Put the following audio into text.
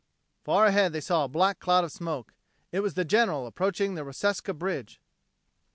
Far ahead they saw a black cloud of smoke. It was the General approaching the Reseca bridge.